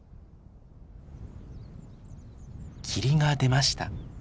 霧が出ました。